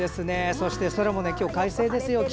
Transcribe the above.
そして、空も快晴ですよ。